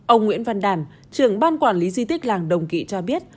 ông nguyễn văn đàn trưởng ban quản lý di tích làng đồng kỵ cho biết